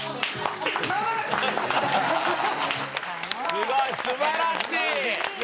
すごい。素晴らしい。